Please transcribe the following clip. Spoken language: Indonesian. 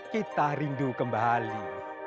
kita rindu kembali